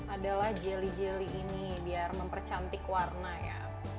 adalah jelly jelly ini biar mempercantik warna ya